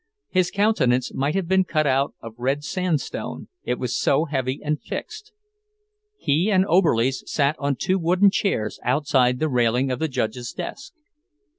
His countenance might have been cut out of red sandstone, it was so heavy and fixed. He and Oberlies sat on two wooden chairs outside the railing of the judge's desk.